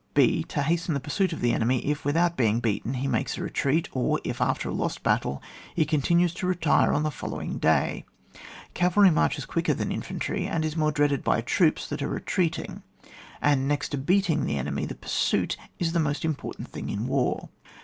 (h) To hasten the pursuit of the enemy if, without being beaten, he makes a retreat ; or if^ after a lost battle, he con tinues to retire on the following day. Cavalry marches quicker than infantry, and is more dreaded by troops that are retreating. And next to beating the enemy, the pursuit is the most important thing in war.